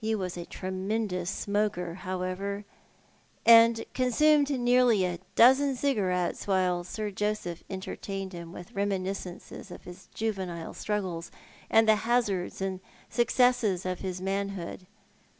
He was a tremendous smoker, however, and consumed nearly a dozen cigarettes while Sir Joseph entertained him with reminiscences of his juvenile struggles, and the hazards and successes of his manhood.